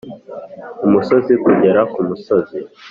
umusozi kugera kumusozi.